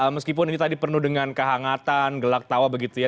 meskipun ini tadi penuh dengan kehangatan gelak tawa begitu ya